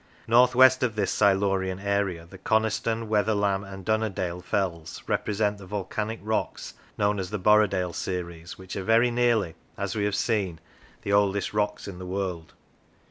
North west of this Silu rian area the Coniston, Wetherlam and Dunnerdale fells represent the volcanic rocks known as the Borrow dale series, which are very nearly, as we have seen, the oldest rocks in the world.